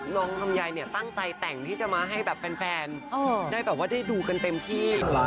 น้องลำไยเนี่ยตั้งใจแต่งที่จะมาให้แบบแฟนได้ดูกันเต็มที่